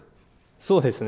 そうですね。